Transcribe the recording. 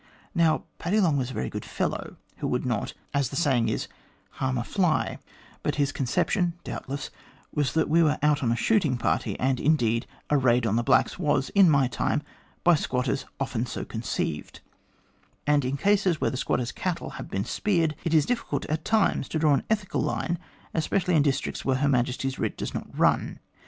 " Now, Paddy Long was a very good fellow, who would not, as the saying is, 'harm a fly'; but his conception, doubtless, was that we were out on a shooting party, and, indeed, a raid on the blacks was, in my time, by squatters often so conceived ; and in cases where the squatters' cattle have been speared, it is difficult at times to draw an ethical line, especially in districts where Her Majesty's writ does not run.